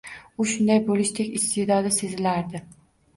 U shunday bo‘lishdek iste’dodi sezilardi.